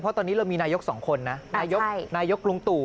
เพราะตอนนี้เรามีนายกสองคนนะนายกนายกลุงตู่